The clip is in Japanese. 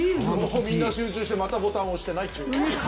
みんな集中してまたボタン押してない。